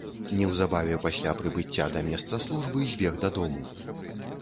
Неўзабаве пасля прыбыцця да месца службы збег дадому.